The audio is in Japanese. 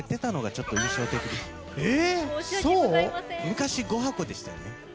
昔、５箱でしたよね。